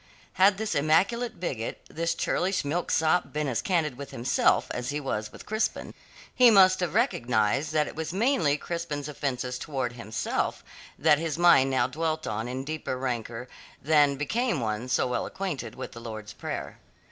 Had this immaculate bigot, this churlish milksop been as candid with himself as he was with Crispin, he must have recognized that it was mainly Crispin's offences towards himself that his mind now dwelt on in deeper rancour than became one so well acquainted with the Lord's Prayer.